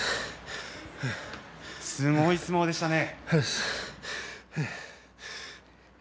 すごい相撲でしたね。